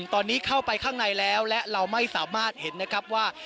ตอนนี้เข้าไปข้างในแล้วและเราไม่สามารถเห็นนะครับว่า